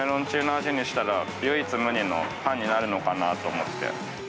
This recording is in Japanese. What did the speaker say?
味にしたら、唯一無二のパンになるのかなと思って。